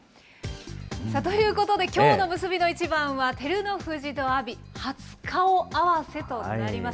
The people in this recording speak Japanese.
ということで、きょうの結びの一番は照ノ富士と阿炎、初顔合わせとなります。